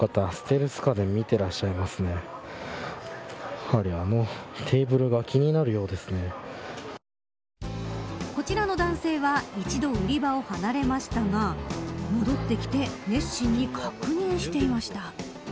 やはり、あのテーブルがこちらの男性は一度売り場を離れましたが戻って来て熱心に確認していました。